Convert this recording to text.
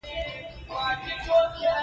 فلم باید دروغو ته ماتې ورکړي